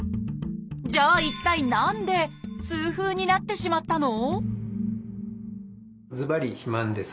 じゃあ一体何で痛風になってしまったの？